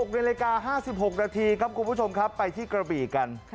๖นาฬิกา๕๖นาทีครับคุณผู้ชมครับไปที่กระบี่กัน